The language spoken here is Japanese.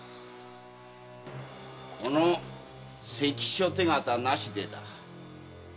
この関所手形なしでだ。